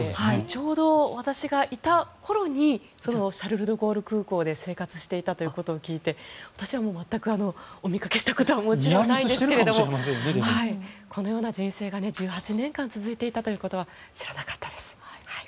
ちょうど私がいた頃にシャルル・ドゴール空港で生活していたということを聞いて私は全くお見かけしたことはないんですがこのような人生が１８年間続いていたということは知らなかったです。